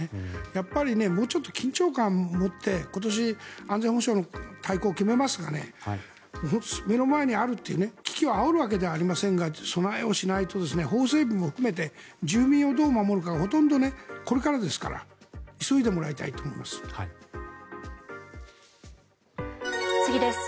やっぱり、もうちょっと緊張感を持って今年、安全保障の大綱を決めますが目の前にあるという危機をあおるわけではありませんが備えをしないと法整備も含めて住民をどう守るかほとんど、これからですから急いでもらいたいと思います。